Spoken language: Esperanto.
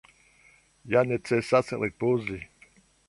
Ja necesas ripozi.